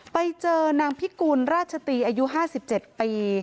ไปเจอนางพิกุลราชตีอายุ๕๗ปี